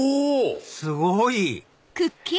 すごい！